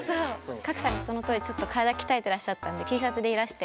賀来さんがその当時体鍛えてらっしゃったんでＴシャツでいらして。